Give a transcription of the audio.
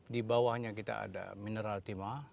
di bawahnya kita ada mineral timah